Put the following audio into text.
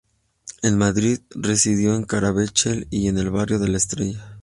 En Madrid, residió en Carabanchel y en el Barrio de La Estrella.